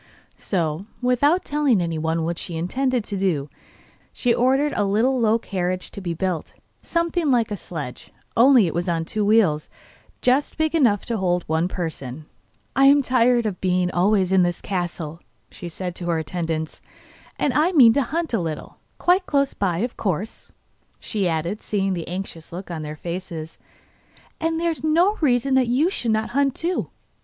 So, without telling anyone what she intended to do, she ordered a little low carriage to be built, something like a sledge, only it was on two wheels just big enough to hold one person. 'I am tired of being always in the castle,' she said to her attendants; 'and I mean to hunt a little. Quite close by, of course,' she added, seeing the anxious look on their faces. 'And there is no reason that you should not hunt too.